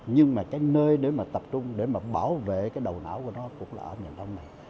nhưng mà cái nơi để mà tập trung để mà bảo vệ cái đầu não của nó cũng là ở miền đông này